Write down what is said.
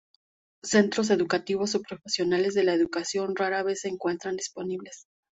Centros educativos y profesionales de la educación rara vez se encuentran disponibles.